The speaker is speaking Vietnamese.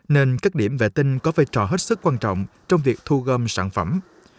nên các điểm vệ tinh có vai trò hết sức quan trọng trong việc thu gom sản phẩm